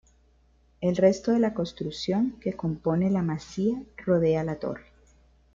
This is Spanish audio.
El resto de la construcción que compone la masía rodea a la torre.